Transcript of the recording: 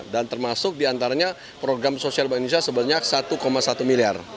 dan termasuk diantaranya program sosial bank indonesia sebanyak satu satu miliar